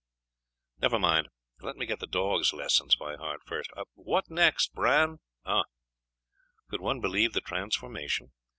Never mind, let me get the dog's lessons by heart first. What next, Bran? Ah! Could one believe the transformation?